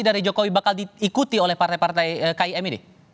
dari jokowi bakal diikuti oleh partai partai kim ini